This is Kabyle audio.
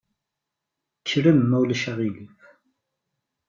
Kkrem ma ulac aɣilif.